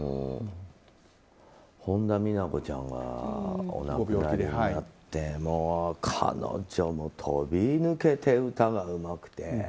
本田美奈子ちゃんがお亡くなりになって彼女も飛び抜けて歌がうまくて。